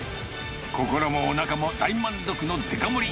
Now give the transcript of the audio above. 心もおなかも大満足のデカ盛り。